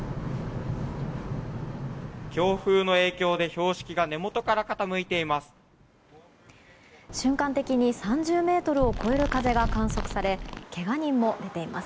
強風の影響で標識が根元から傾いています。